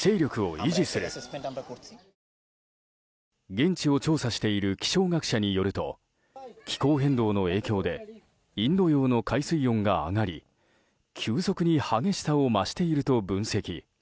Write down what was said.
現地を調査している気象学者によると気候変動の影響でインド洋の海水温が上がり急速に激しさを増していると分析。